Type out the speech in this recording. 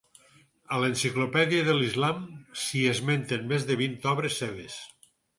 A l'Enciclopèdia de l'Islam s'hi esmenten més de vint obres seves.